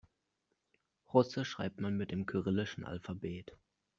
Russisch schreibt man mit dem kyrillischen Alphabet.